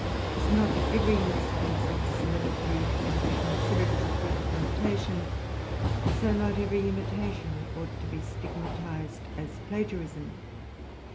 s not every instance of similitude can be considered as oof of imitation, so not every imitation ought to be imatized as plagiarism.